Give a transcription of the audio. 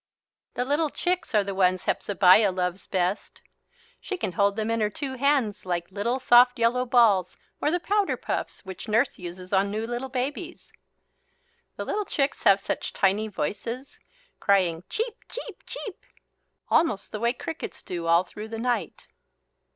The little chicks are the ones Hepzebiah loves best. She can hold them in her two hands like little soft yellow balls or the powder puffs which Nurse uses on new little babies. The little chicks have such tiny voices, crying "cheep, cheep, cheep," almost the way the crickets do all through the night.